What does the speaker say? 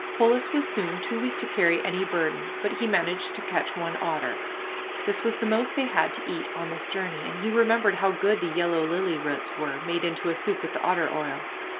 Polis was soon too weak to carry any burden, but he managed to catch one otter. This was the most they all had to eat on this journey, and he remembered how good the yellow lily roots were, made into a soup with the otter oil.